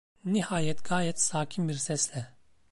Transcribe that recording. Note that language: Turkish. Nihayet gayet sakin bir sesle.